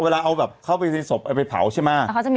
เวลาเอาแบบเข้าไปในศพเอาไปเผาใช่ไหม